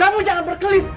kamu jangan berkelit